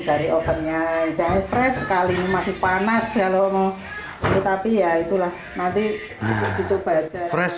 dari ovennya jangan fresh sekali masih panas kalau mau tetapi ya itulah nanti dicoba aja fresh